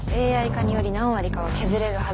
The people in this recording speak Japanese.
ＡＩ化により何割かは削れるはず。